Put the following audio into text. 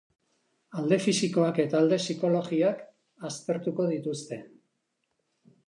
Alde fisikoak eta alde psikologiak aztertuko dituzte.